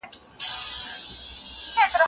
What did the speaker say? ایا د شلوخو خوړل د مړۍ هضمولو کي مرسته کوي؟